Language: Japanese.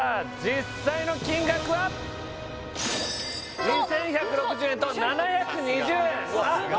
実際の金額は２１６０円と７２０円